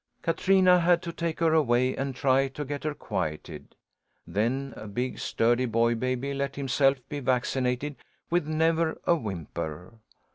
Katrina had to take her away and try to get her quieted. Then a big, sturdy boy baby let himself be vaccinated with never a whimper.